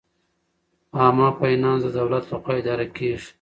عامه فینانس د دولت لخوا اداره کیږي.